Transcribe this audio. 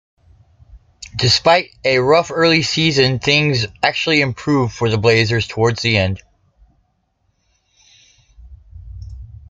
Despite a rough early season, things actually improved for the Blazers towards the end.